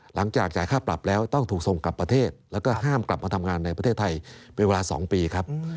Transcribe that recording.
จ่ายค่าปรับแล้วต้องถูกส่งกลับประเทศแล้วก็ห้ามกลับมาทำงานในประเทศไทยเป็นเวลา๒ปีครับ